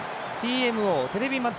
ＴＭＯ＝テレビマッチ